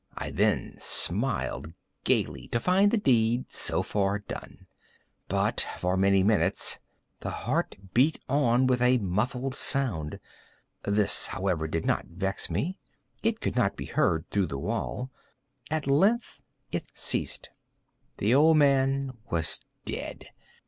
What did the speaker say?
I then smiled gaily, to find the deed so far done. But, for many minutes, the heart beat on with a muffled sound. This, however, did not vex me; it would not be heard through the wall. At length it ceased. The old man was dead.